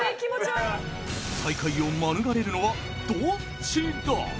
最下位を免れるのはどっちだ！？